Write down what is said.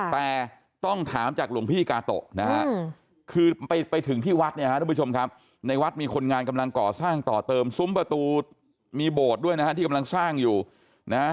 แต่ต้องถามจากหลวงพี่กาโตะนะฮะคือไปถึงที่วัดเนี่ยฮะทุกผู้ชมครับในวัดมีคนงานกำลังก่อสร้างต่อเติมซุ้มประตูมีโบสถ์ด้วยนะฮะที่กำลังสร้างอยู่นะฮะ